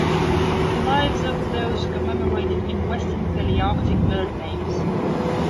The Lives of Those Commemorated in Western Palearctic Bird Names.